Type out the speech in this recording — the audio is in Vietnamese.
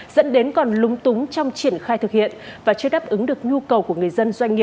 dẫn đến còn lúng túng trong triển khai thực hiện và chưa đáp ứng được nhu cầu của người dân doanh nghiệp